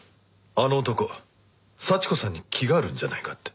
あの男幸子さんに気があるんじゃないかって。